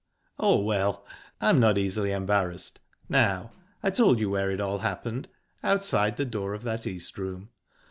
"Oh well, I'm not easily embarrassed...Now, I told you where it all happened. Outside the door of that East Room.